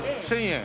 １０００円。